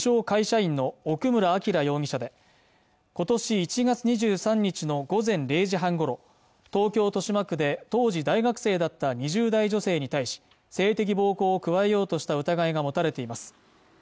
会社員の奥村晃容疑者で今年１月２３日の午前０時半ごろ東京・豊島区で当時大学生だった２０代女性に対し性的暴行を加えようとした疑いが持たれています